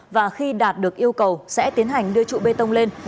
và khi đạt được yêu cầu sẽ tiến hành đưa trụ bê tông lên